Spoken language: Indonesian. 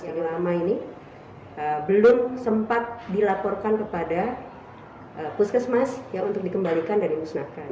yang lama ini belum sempat dilaporkan kepada puskesmas untuk dikembalikan dan dimusnahkan